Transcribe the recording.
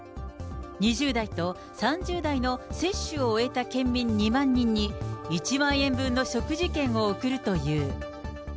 ２０代と３０代の接種を終えた県民２万人に、１万円分の食事券を贈るという。